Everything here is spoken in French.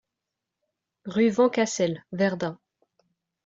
Rue Vancassel, Verdun